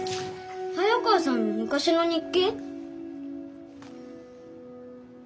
早川さんの昔の日記。